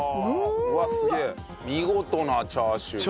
見事なチャーシュー。